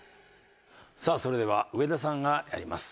さあそれでは上田さんがやります